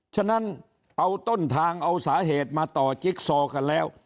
ฉะนั้นเอาต้นทางเอาสาเหตุมาต่อจิ๊กซอกันแล้ว